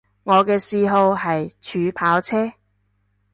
我嘅嗜好係儲跑車